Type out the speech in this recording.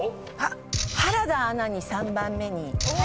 原田アナに３番目に。